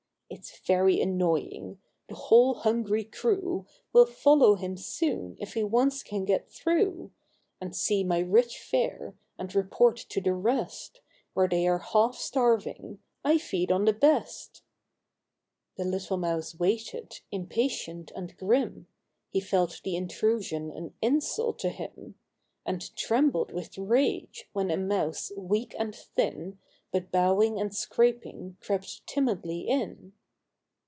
It's very annoying! — the whole hungry crewv Will follow him soon if he once can get through, And see my rich fare, and report to the rest, Where they are half starving, I feed on the best !" 122 THE GREEDY MOUSE. The little Mouse waited, impatient and grim; He felt the intrusion an insult to him, And trembled with rage, when a Mouse weak and thin, But bowing and scraping, crept timidly in.